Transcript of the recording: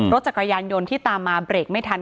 รถจักรยานยนต์ที่ตามมาเบรกไม่ทัน